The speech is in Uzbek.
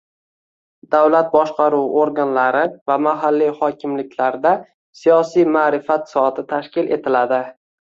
Davlat boshqaruvi organlari va mahalliy hokimliklarda “Siyosiy-ma’rifat soati” tashkil etiladi